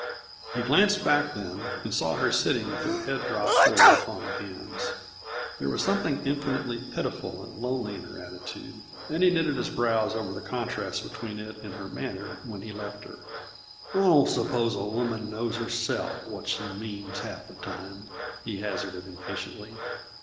He glanced back, then, and saw her sitting with her head dropped forward upon her hands. There was something infinitely pitiful and lonely in her attitude, and he knitted his brows over the contrast between it and her manner when he left her. "I don't suppose a woman knows, herself, what she means, half the time," he hazarded impatiently.